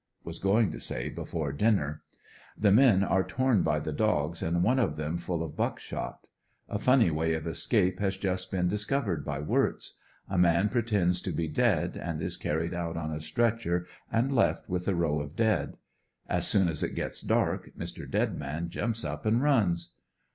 (Was going to say before dinner ) The men are torn by the dogs, and one of them full of buck shot A funny way of escape has just been discovered by Wirtz. A man pretends to be dead and is carried out on a stretcher and left with the row of dead. As soon as it gets dark, Mr. Dead man jumps up and runs.